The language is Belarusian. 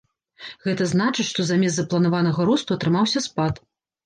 Гэта значыць, што замест запланаванага росту атрымаўся спад.